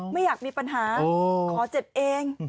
ไม่อยากมีปัญหาขอเจ็บเอง